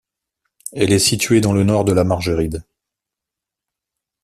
Elle est située dans le nord de la Margeride.